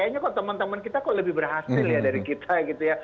kayaknya kok teman teman kita kok lebih berhasil ya dari kita gitu ya